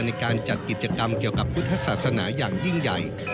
ในการจัดกิจกรรมเกี่ยวกับพุทธศาสนาอย่างยิ่งใหญ่